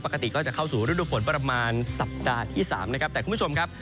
ก็จะเข้าสู่ฤดูฝนประมาณสัปดาห์ที่๓นะครับแต่คุณผู้ชมครับ